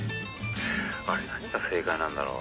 「あれ何が正解なんだろう？